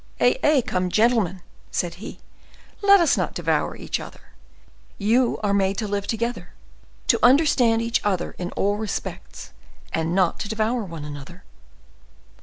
"Eh! come, come, gentlemen," said he, "let us not devour each other; you are made to live together, to understand each other in all respects, and not to devour one another."